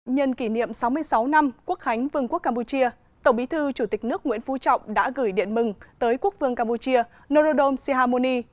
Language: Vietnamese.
nhân kỷ niệm sáu mươi sáu năm quốc khánh vương quốc campuchia tổng bí thư chủ tịch nước nguyễn phú trọng đã gửi điện mừng tới quốc vương campuchia norodom sihamoni